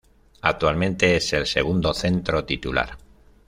Actualmente es el segundo centro titular.